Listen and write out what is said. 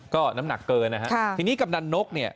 ก็น้ำหนักเกินนะฮะทีนี้กำนันนกเนี่ย